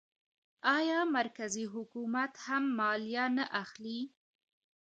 آیا مرکزي حکومت هم مالیه نه اخلي؟